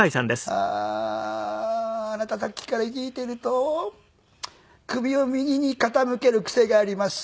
ああーあなたさっきから聞いていると首を右に傾ける癖があります。